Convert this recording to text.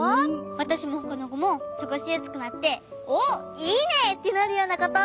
わたしもほかのこもすごしやすくなって「おっいいね！」ってなるようなこと。